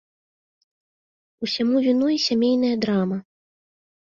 Усяму віной сямейная драма.